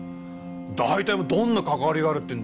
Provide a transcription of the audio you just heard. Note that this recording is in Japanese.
大体どんな関わりがあるっていうんだよ。